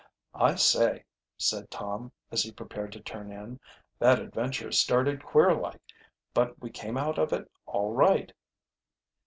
"I say," said Tom, as he prepared to turn in. "That adventure started queer like, but we came out of it all right."